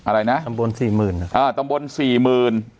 อะไรนะตำบลสี่หมื่นอ่าตำบลสี่หมื่น